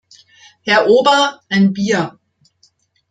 Herr Ober, ein Bier!